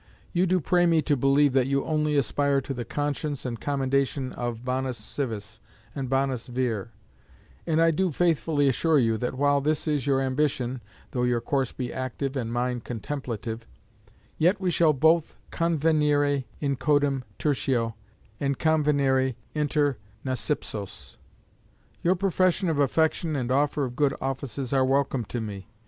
You do pray me to believe that you only aspire to the conscience and commendation of bonus civis and bonus vir; and I do faithfully assure you, that while that is your ambition (though your course be active and mine contemplative), yet we shall both convenire in codem tertio and convenire inter nosipsos. Your profession of affection and offer of good offices are welcome to me.